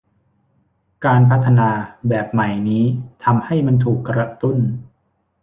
การพัฒนาแบบใหม่นี้ทำให้มันถูกกระตุ้น